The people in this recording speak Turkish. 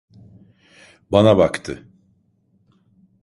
Bana baktı.